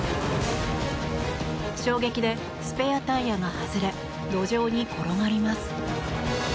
衝撃でスペアタイヤが外れ路上に転がります。